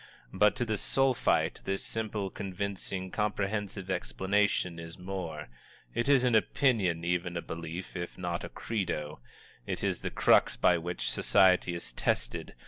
But to the Sulphite, this simple, convincing, comprehensive explanation is more; it is an opinion, even a belief, if not a credo. It is the crux by which society is tested.